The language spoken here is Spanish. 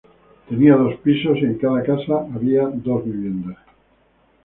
Tenían dos pisos y en cada casa había dos viviendas.